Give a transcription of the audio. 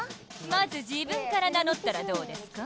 まず自分から名のったらどうですか？